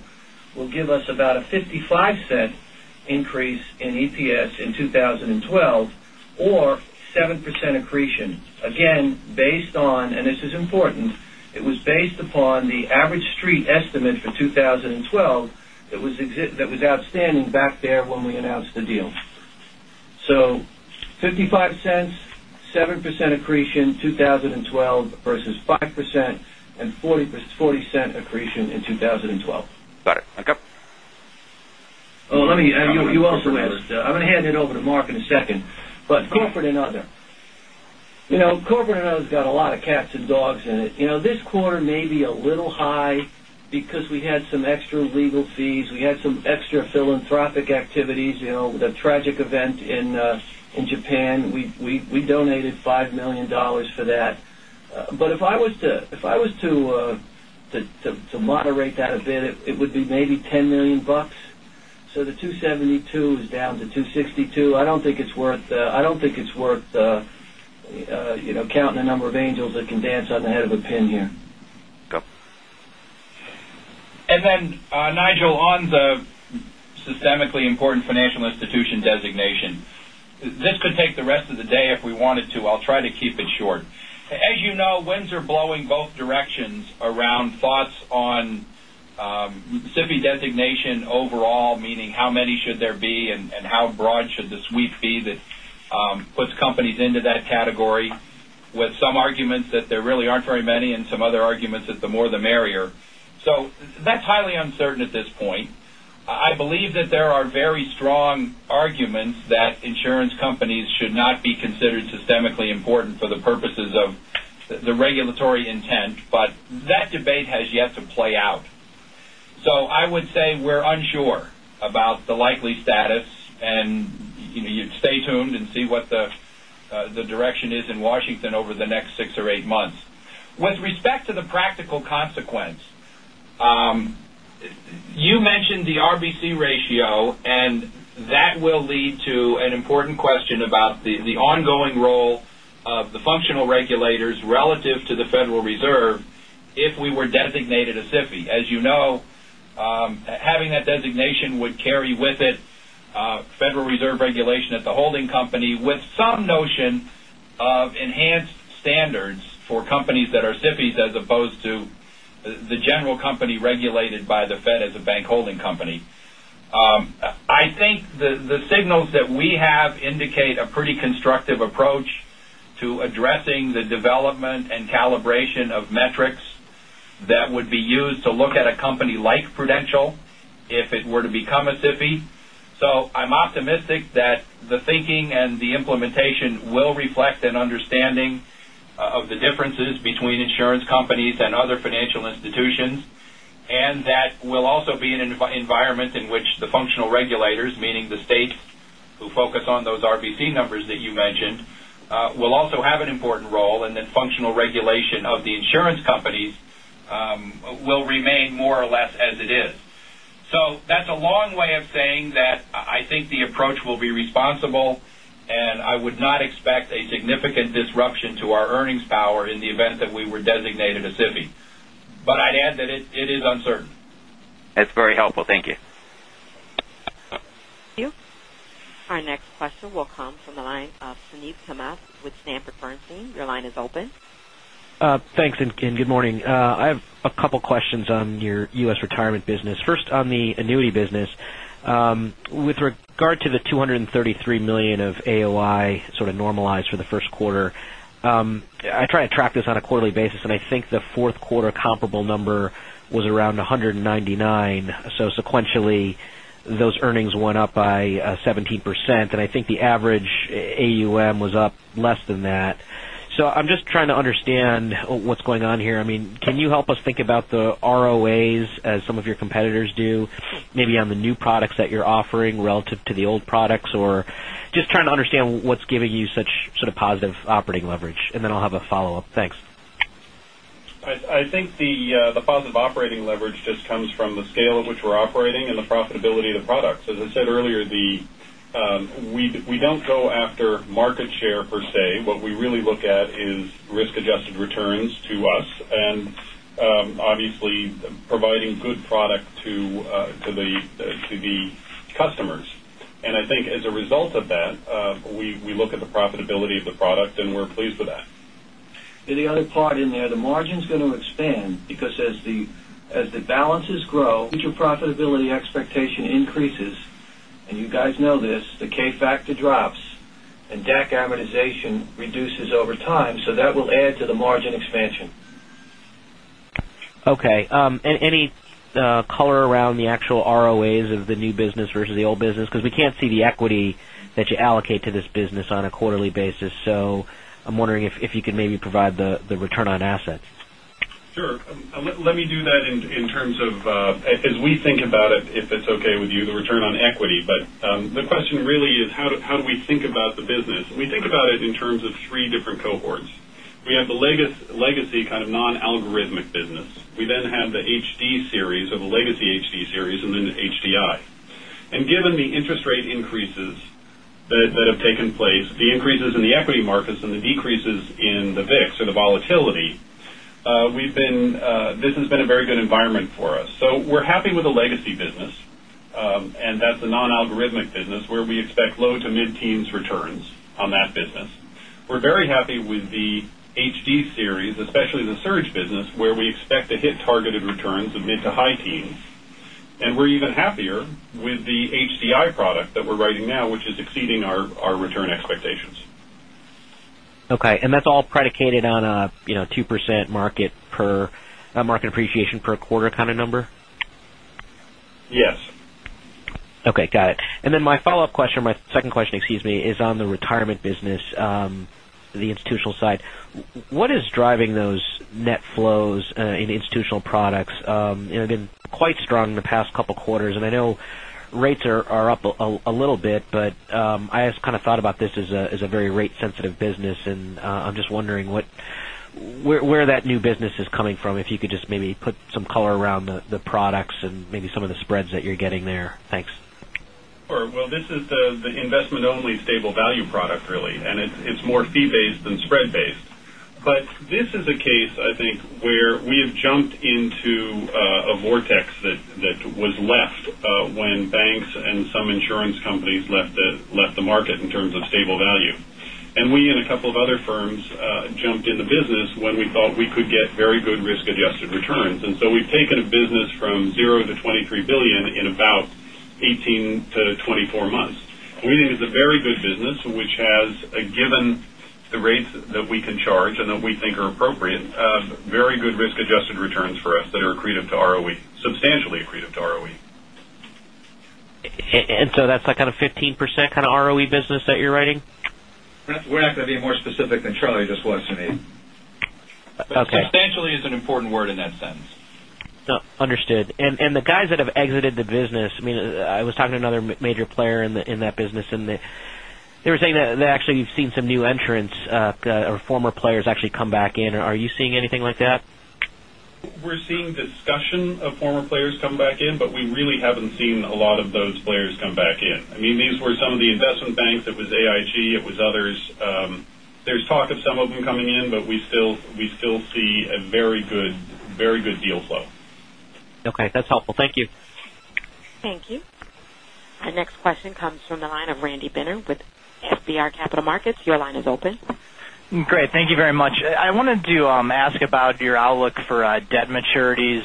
will give us about a $0.55 increase in EPS in 2012, or 7% accretion. Again, based on, and this is important, it was based upon the average street estimate for 2012 that was outstanding back there when we announced the deal. $0.55, 7% accretion, 2012 versus 5% and $0.40 accretion in 2012. Got it. Thank you. You also asked, I'm going to hand it over to Mark in a second, Corporate and Other. Corporate and Other's got a lot of cats and dogs in it. This quarter may be a little high because we had some extra legal fees, we had some extra philanthropic activities, the tragic event in Japan, we donated $5 million for that. If I was to moderate that a bit, it would be maybe $10 million. The $272 million is down to $262 million. I don't think it's worth counting the number of angels that can dance on the head of a pin here. Okay. Nigel, on the systemically important financial institution designation. This could take the rest of the day if we wanted to. I'll try to keep it short. As you know, winds are blowing both directions around thoughts on SIFI designation overall, meaning how many should there be and how broad should the sweep be that puts companies into that category, with some arguments that there really aren't very many and some other arguments that the more the merrier. That's highly uncertain at this point. I believe that there are very strong arguments that insurance companies should not be considered systemically important for the purposes of the regulatory intent, that debate has yet to play out. I would say we're unsure about the likely status, and you'd stay tuned and see what the direction is in Washington over the next six or eight months. With respect to the practical consequence, you mentioned the RBC ratio, that will lead to an important question about the ongoing role of the functional regulators relative to the Federal Reserve if we were designated a SIFI. As you know, having that designation would carry with it Federal Reserve regulation at the holding company with some notion of enhanced standards for companies that are SIFIs as opposed to the general company regulated by the Fed as a bank holding company. I think the signals that we have indicate a pretty constructive approach to addressing the development and calibration of metrics that would be used to look at a company like Prudential if it were to become a SIFI. I'm optimistic that the thinking and the implementation will reflect an understanding of the differences between insurance companies and other financial institutions, and that will also be an environment in which the functional regulators, meaning the states who focus on those RBC numbers that you mentioned, will also have an important role, and then functional regulation of the insurance companies will remain more or less as it is. That's a long way of saying that I think the approach will be responsible, and I would not expect a significant disruption to our earnings power in the event that we were designated a SIFI. I'd add that it is uncertain. That's very helpful. Thank you. Thank you. Our next question will come from the line of Suneet Kamath with Sanford Bernstein. Your line is open. Thanks, good morning. I have a couple questions on your U.S. retirement business. First on the annuity business. With regard to the $233 million of AOI sort of normalized for the first quarter, I try to track this on a quarterly basis, and I think the fourth quarter comparable number was around $199. Sequentially, those earnings went up by 17%, and I think the average AUM was up less than that. I'm just trying to understand what's going on here. Can you help us think about the ROA as some of your competitors do, maybe on the new products that you're offering relative to the old products? Just trying to understand what's giving you such sort of positive operating leverage. Then I'll have a follow-up. Thanks. I think the positive operating leverage just comes from the scale at which we're operating and the profitability of the products. As I said earlier, we don't go after market share per se. What we really look at is risk-adjusted returns to us, and obviously providing good product to the customers. I think as a result of that, we look at the profitability of the product, and we're pleased with that. The other part in there, the margin's going to expand because as the balances grow, future profitability expectation increases. You guys know this, the K-factor drops, and DAC amortization reduces over time, so that will add to the margin expansion. Okay. Any color around the actual ROA of the new business versus the old business? Because we can't see the equity that you allocate to this business on a quarterly basis. I'm wondering if you could maybe provide the return on assets. Sure. Let me do that in terms of as we think about it, if it's okay with you, the return on equity. The question really is how do we think about the business? We think about it in terms of three different cohorts. We have the legacy kind of non-algorithmic business. We then have the HD series of a legacy HD series and then HDI. Given the interest rate increases that have taken place, the increases in the equity markets, and the decreases in the VIX or the volatility, this has been a very good environment for us. We're happy with the legacy business. That's the non-algorithmic business where we expect low to mid-teens returns on that business. We're very happy with the HD series, especially the surge business, where we expect to hit targeted returns of mid to high teens. We're even happier with the HDI product that we're writing now, which is exceeding our return expectations. Okay. That's all predicated on a 2% market appreciation per quarter kind of number? Yes. Okay. Got it. My follow-up question, my second question, excuse me, is on the retirement business, the institutional side. What is driving those net flows in institutional products? They've been quite strong in the past couple of quarters, and I know rates are up a little bit, but I just kind of thought about this as a very rate-sensitive business, and I'm just wondering where that new business is coming from, if you could just maybe put some color around the products and maybe some of the spreads that you're getting there. Thanks. Sure. This is the investment only stable value product really, and it's more fee-based than spread-based. This is a case, I think, where we have jumped into a vortex that was left when banks and some insurance companies left the market in terms of stable value. We and a couple of other firms jumped in the business when we thought we could get very good risk-adjusted returns. So we've taken a business from zero to $23 billion in about 18 to 24 months. We think it's a very good business which has given the rates that we can charge and that we think are appropriate, very good risk-adjusted returns for us that are accretive to ROE, substantially accretive to ROE. That's like kind of 15% kind of ROE business that you're writing? We're not going to be more specific than Charlie just was, Suneet. Okay. Substantially is an important word in that sentence. Understood. The guys that have exited the business, I was talking to another major player in that business, they were saying that actually you've seen some new entrants or former players actually come back in. Are you seeing anything like that? We're seeing discussion of former players come back in, but we really haven't seen a lot of those players come back in. These were some of the investment banks. It was AIG. It was others. There's talk of some of them coming in, we still see a very good deal flow. Okay. That's helpful. Thank you. Thank you. Our next question comes from the line of Randy Binner with FBR Capital Markets. Your line is open. Great. Thank you very much. I wanted to ask about your outlook for debt maturities.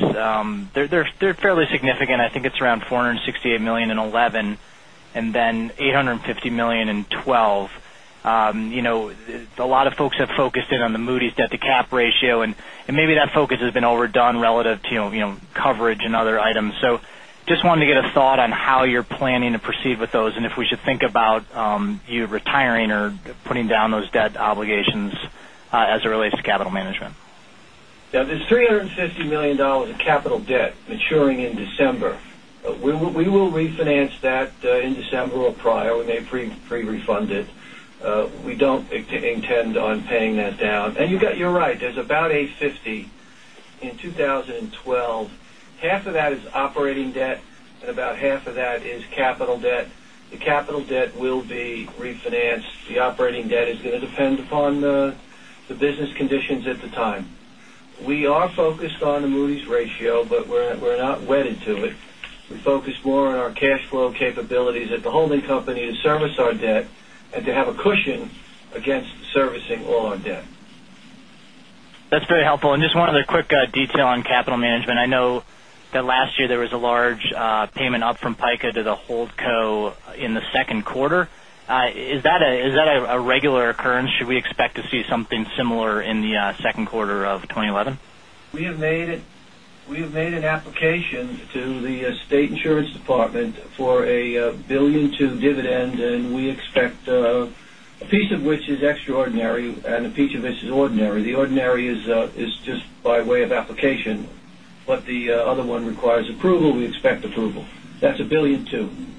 They're fairly significant. I think it's around $468 million in 2011 and then $850 million in 2012. A lot of folks have focused in on the Moody's debt to cap ratio, and maybe that focus has been overdone relative to coverage and other items. Just wanted to get a thought on how you're planning to proceed with those and if we should think about you retiring or putting down those debt obligations as it relates to capital management. There's $350 million of capital debt maturing in December. We will refinance that in December or prior. We may pre-refund it. We don't intend on paying that down. You're right, there's about $850 million in 2012. Half of that is operating debt, and about half of that is capital debt. The capital debt will be refinanced. The operating debt is going to depend upon the business conditions at the time. We are focused on the Moody's ratio, but we're not wedded to it. We focus more on our cash flow capabilities at the holding company to service our debt and to have a cushion against servicing all our debt. That's very helpful. Just one other quick detail on capital management. I know that last year there was a large payment up from PICA to the holdco in the second quarter. Is that a regular occurrence? Should we expect to see something similar in the second quarter of 2011? We have made an application to the state insurance department for a $1.2 billion dividend. We expect a piece of which is extraordinary and a piece of which is ordinary. The ordinary is just by way of application. The other one requires approval. We expect approval. That's $1.2 billion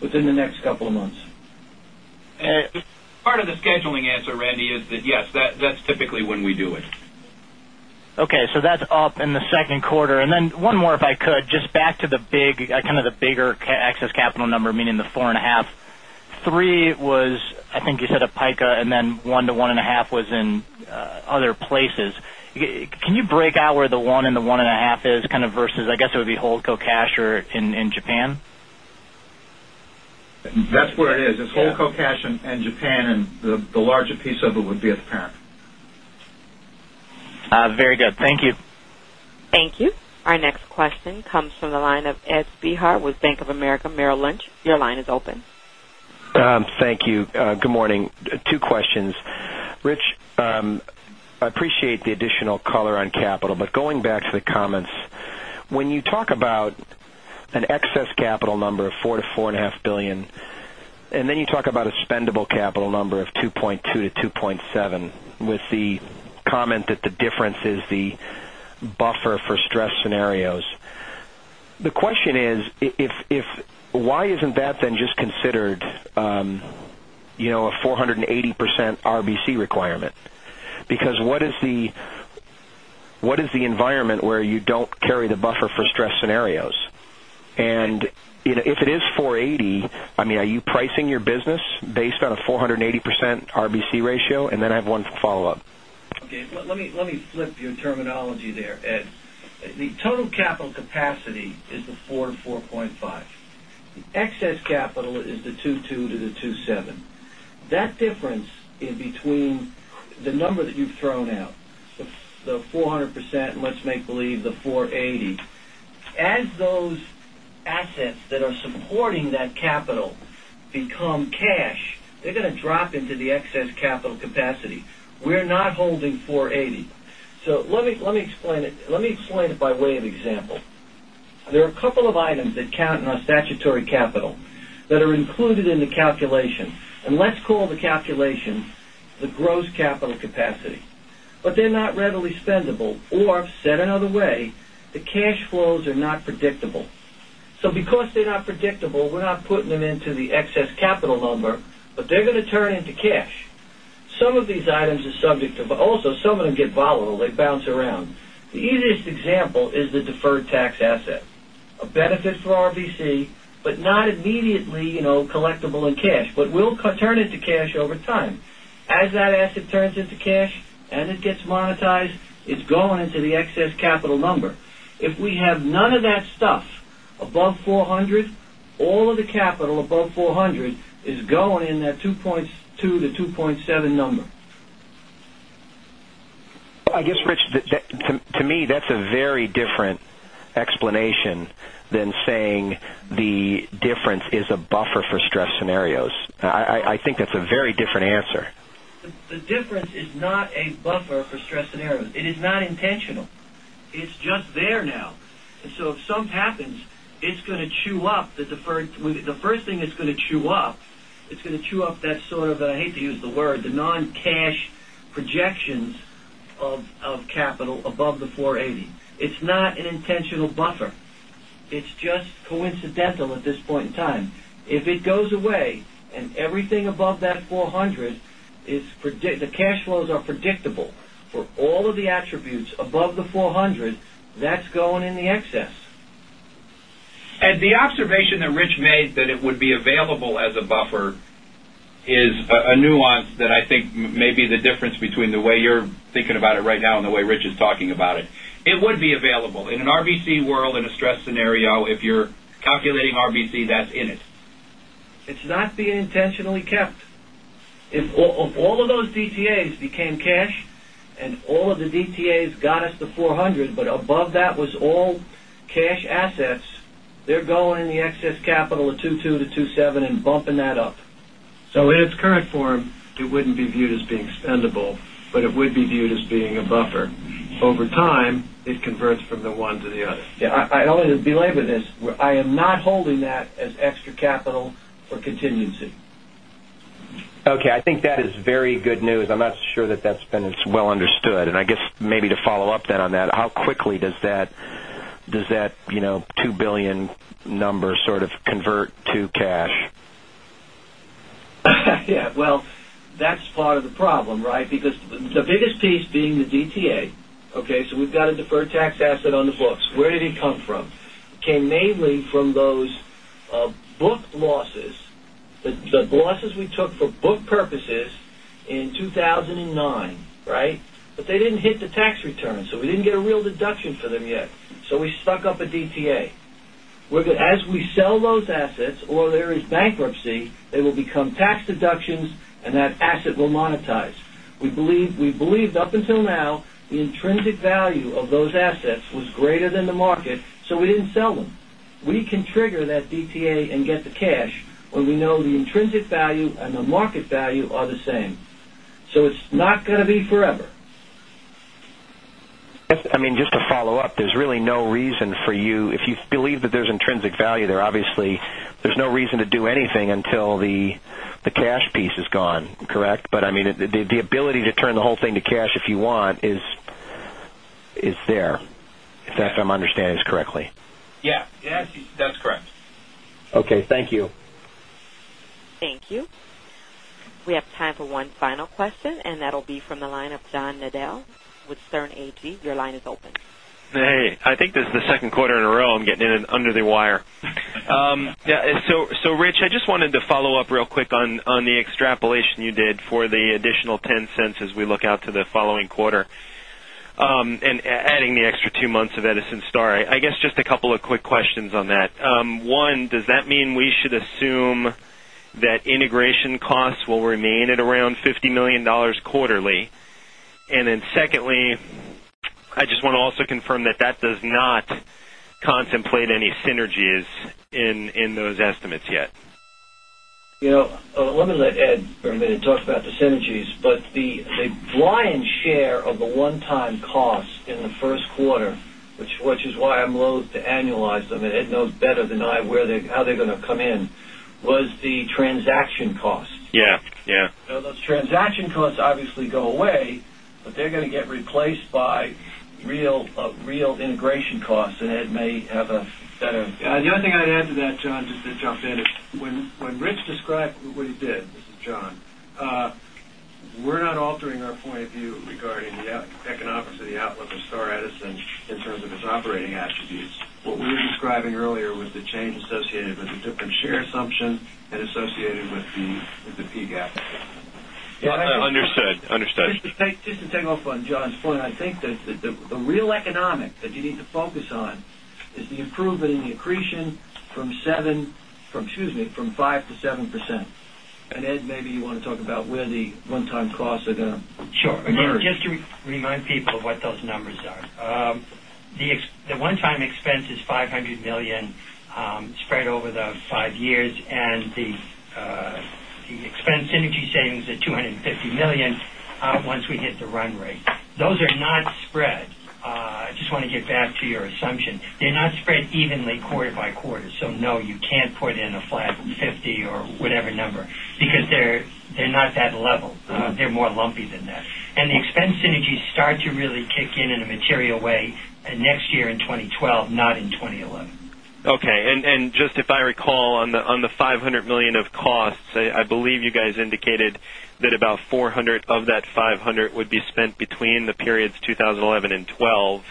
within the next couple of months. Part of the scheduling answer, Randy, is that yes, that's typically when we do it. Okay. That's up in the second quarter. One more, if I could, just back to the bigger excess capital number, meaning the 4.5. 3 was, I think you said, at PICA, 1 to 1.5 was in other places. Can you break out where the 1 and the 1.5 is versus, I guess it would be holdco cash or in Japan? That's where it is. It's holdco cash and Japan, and the larger piece of it would be at the parent. Very good. Thank you. Thank you. Our next question comes from the line of Edward Shine with Bank of America Merrill Lynch. Your line is open. Thank you. Good morning. Two questions. Rich, I appreciate the additional color on capital. Going back to the comments, when you talk about an excess capital number of $4 billion-$4.5 billion, and then you talk about a spendable capital number of $2.2 billion-$2.7 billion with the comment that the difference is the buffer for stress scenarios. The question is why isn't that just considered a 480% RBC requirement? What is the environment where you don't carry the buffer for stress scenarios? If it is 480, are you pricing your business based on a 480% RBC ratio? I have one follow-up. Okay. Let me flip your terminology there, Ed. The total capital capacity is the $4 billion-$4.5 billion. The excess capital is the $2.2 billion-$2.7 billion. That difference in between the number that you've thrown out, the 400% and let's make believe the 480. As those assets that are supporting that capital become cash, they're going to drop into the excess capital capacity. We're not holding 480. Let me explain it by way of example. There are a couple of items that count in our statutory capital that are included in the calculation, and let's call the calculation the gross capital capacity. They're not readily spendable. Or said another way, the cash flows are not predictable. Because they're not predictable, we're not putting them into the excess capital number, but they're going to turn into cash. Some of these items but also some of them get volatile. They bounce around. The easiest example is the deferred tax asset. A benefit for RBC, but not immediately collectible in cash, but will turn into cash over time. As that asset turns into cash and it gets monetized, it's going into the excess capital number. If we have none of that stuff above 400, all of the capital above 400 is going in that $2.2 billion-$2.7 billion number. I guess, Rich, to me, that's a very different explanation than saying the difference is a buffer for stress scenarios. I think that's a very different answer. The difference is not a buffer for stress scenarios. It is not intentional. It's just there now. If something happens, the first thing it's going to chew up, it's going to chew up that sort of, I hate to use the word, the non-cash projections of capital above the 480. It's not an intentional buffer. It's just coincidental at this point in time. If it goes away and everything above that 400 is The cash flows are predictable for all of the attributes above the 400, that's going in the excess. The observation that Rich made that it would be available as a buffer is a nuance that I think may be the difference between the way you're thinking about it right now and the way Rich is talking about it. It would be available. In an RBC world, in a stress scenario, if you're calculating RBC, that's in it. It's not being intentionally kept. If all of those DTAs became cash and all of the DTAs got us to 400, but above that was all cash assets, they're going in the excess capital of $2.2-$2.7 and bumping that up. In its current form, it wouldn't be viewed as being spendable, but it would be viewed as being a buffer. Over time, it converts from the one to the other. Yeah. I always belabor this. I am not holding that as extra capital for contingency. Okay. I think that is very good news. I'm not sure that's been as well understood. I guess maybe to follow up then on that, how quickly does that $2 billion number sort of convert to cash? Yeah. Well, that's part of the problem, right? Because the biggest piece being the DTA. Okay? We've got a deferred tax asset on the books. Where did it come from? It came mainly from those book losses. The losses we took for book purposes in 2009, right? They didn't hit the tax return, we didn't get a real deduction for them yet. We stuck up a DTA. As we sell those assets or there is bankruptcy, they will become tax deductions, and that asset will monetize. We believed up until now the intrinsic value of those assets was greater than the market, we didn't sell them. We can trigger that DTA and get the cash when we know the intrinsic value and the market value are the same. It's not going to be forever. I mean, just to follow up, there's really no reason. If you believe that there's intrinsic value there, obviously, there's no reason to do anything until the cash piece is gone, correct? I mean, the ability to turn the whole thing to cash if you want is. Is there, if I'm understanding this correctly? Yeah. That's correct. Okay. Thank you. Thank you. We have time for one final question, and that'll be from the line of John Nadel with Sterne Agee. Your line is open. Hey. I think this is the second quarter in a row I'm getting in under the wire. Rich, I just wanted to follow up real quick on the extrapolation you did for the additional $0.10 as we look out to the following quarter, and adding the extra two months of Edison Star. I guess just a couple of quick questions on that. One, does that mean we should assume that integration costs will remain at around $50 million quarterly? Secondly, I just want to also confirm that does not contemplate any synergies in those estimates yet. Let me let Ed for a minute talk about the synergies. The lion's share of the one-time cost in the first quarter, which is why I'm loath to annualize them, and Ed knows better than I how they're going to come in, was the transaction costs. Yeah. Those transaction costs obviously go away, they're going to get replaced by real integration costs. The only thing I'd add to that, John, just to jump in, is when Rich described what he did, this is John, we're not altering our point of view regarding the economics of the outlook of Star Edison in terms of its operating attributes. What we were describing earlier was the change associated with the different share assumption and associated with the PGAF. Understood. Just to take off on John's point, I think that the real economic that you need to focus on is the improvement in the accretion from 5%-7%. Ed, maybe you want to talk about where the one-time costs are going to occur. Sure. Again, just to remind people of what those numbers are. The one-time expense is $500 million spread over the five years, the expense synergy savings at $250 million once we hit the run rate. Those are not spread. I just want to get back to your assumption. They're not spread evenly quarter by quarter. No, you can't put in a flat 50 or whatever number because they're not that level. They're more lumpy than that. The expense synergies start to really kick in in a material way next year in 2012, not in 2011. Okay. Just if I recall on the $500 million of costs, I believe you guys indicated that about $400 of that $500 would be spent between the periods 2011 and 2012.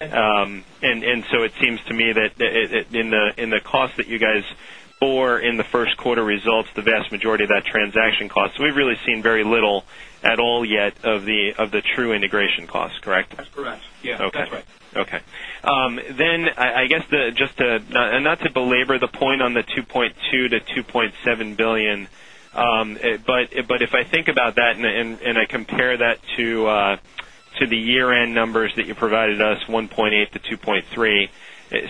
That's right. It seems to me that in the cost that you guys bore in the first quarter results, the vast majority of that transaction cost. We've really seen very little at all yet of the true integration cost, correct? That's correct. Yeah. Okay. That's right. Okay. I guess, not to belabor the point on the $2.2 billion-$2.7 billion, but if I think about that and I compare that to the year-end numbers that you provided us, $1.8 billion-$2.3 billion,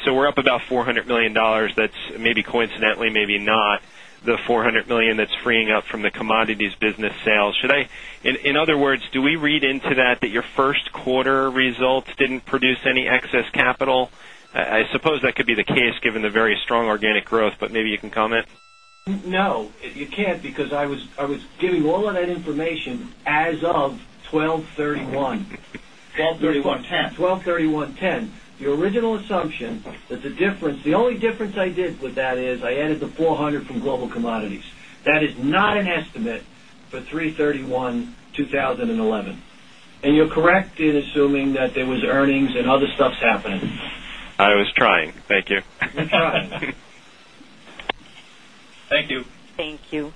we're up about $400 million. That's maybe coincidentally, maybe not, the $400 million that's freeing up from the commodities business sales. In other words, do we read into that your first quarter results didn't produce any excess capital? I suppose that could be the case given the very strong organic growth, but maybe you can comment. No, you can't because I was giving all of that information as of 12/31. 12/31/10. 12/31/2010. Your original assumption that the only difference I did with that is I added the $400 from Global Commodities. That is not an estimate for 03/31/2011. You're correct in assuming that there was earnings and other stuff's happening. I was trying. Thank you. You tried. Thank you. Thank you.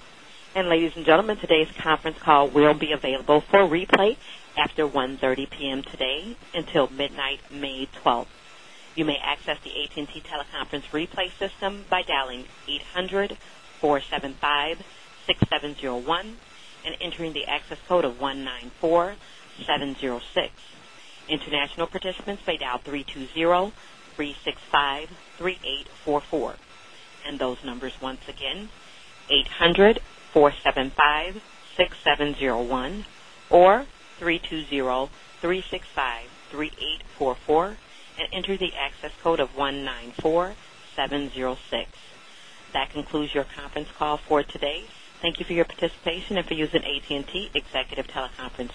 Ladies and gentlemen, today's conference call will be available for replay after 1:30 P.M. today until midnight, May 12th. You may access the AT&T teleconference replay system by dialing 800-475-6701 and entering the access code of 194706. International participants may dial 320-365-3844. Those numbers once again, 800-475-6701 or 320-365-3844, and enter the access code of 194706. That concludes your conference call for today. Thank you for your participation if you're using AT&T executive teleconference